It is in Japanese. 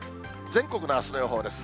全国のあすの予報です。